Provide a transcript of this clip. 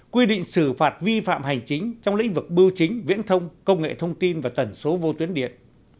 quy định xử phạt vi phạm hành chính trong lĩnh vực bưu chính viễn thông công nghệ thông tin và tần số vô tuyến điện